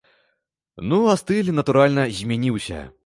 Ну, а стыль, натуральна, змяніўся.